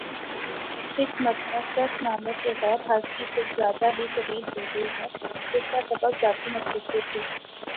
اس مرتبہ کرک نامہ سے غیر حاضری کچھ زیادہ ہی طویل ہوگئی ہے جس کا سبب ذاتی مصروفیت تھی